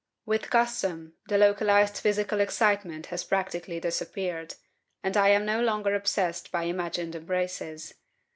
With custom, the localized physical excitement has practically disappeared, and I am no longer obsessed by imagined embraces.